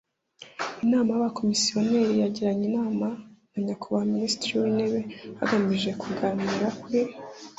Inama y Abakomiseri yagiranye inama na Nyakubahwa Minisitiri w Intebe hagamijwe kuganira kuri